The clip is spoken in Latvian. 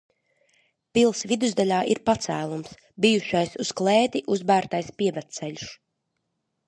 Pils vidusdaļā ir pacēlums – bijušais uz klēti uzbērtais pievedceļš.